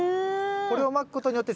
これをまくことによって？